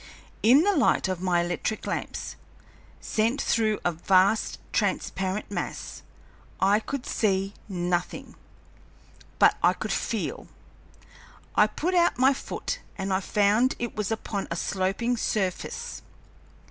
In the light of my electric lamps, sent through a vast transparent mass, I could see nothing, but I could feel. I put out my foot and I found it was upon a sloping surface.